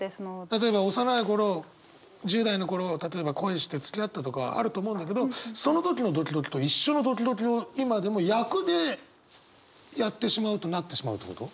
例えば幼い頃１０代の頃例えば恋してつきあったとかあると思うんだけどその時のドキドキと一緒のドキドキを今でも役でやってしまうとなってしまうってこと？